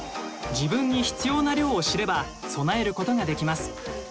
自分に必要な量を知れば備えることができます。